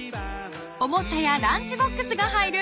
［おもちゃやランチボックスが入る